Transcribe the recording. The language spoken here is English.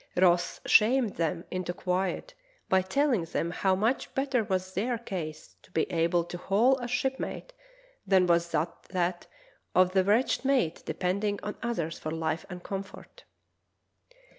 Ross shamed them into quiet by telling them how much better was their case to be able to haul a ship mate than was that of the wretched mate depend ent on others for life and comfort.